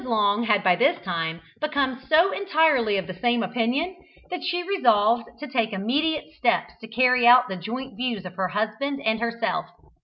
Long had by this time become so entirely of the same opinion, that she resolved to take immediate steps to carry out the joint views of her husband and herself.